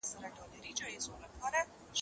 زه بايد جواب ورکړم